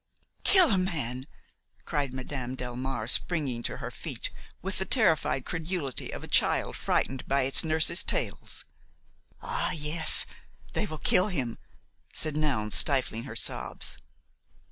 "Kill a man!" cried Madame Delmare, springing to her feet with the terrified credulity of a child frightened by it's nurse's tales. "Ah! yes, they will kill him," said Noun, stifling her sobs.